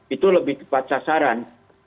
itu lebih tepat sasaran